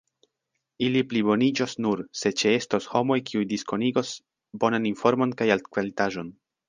Ili pliboniĝos nur, se ĉeestos homoj kiuj diskonigos bonan informon kaj altkvalitaĵon.